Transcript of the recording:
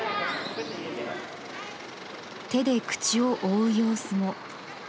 手で口を覆う様子も。